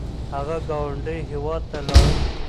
هغه ګاونډي هیواد ته لاړ